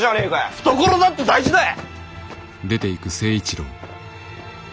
懐だって大事だい！